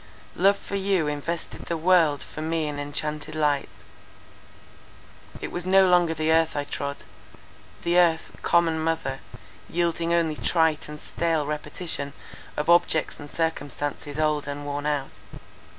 Love for you invested the world for me in enchanted light; it was no longer the earth I trod—the earth, common mother, yielding only trite and stale repetition of objects and circumstances old and worn out.